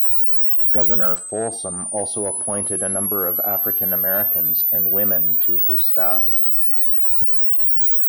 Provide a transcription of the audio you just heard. Governor Folsom also appointed a number of African Americans and women to his staff.